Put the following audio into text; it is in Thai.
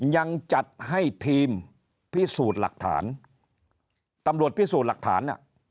ยังจัดให้ทีมพิสูจน์หลักฐานตำรวจพิสูจน์หลักฐาน